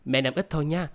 mẹ nằm ít thôi nha